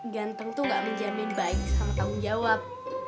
ganteng tuh gak menjamin baik sama tanggung jawab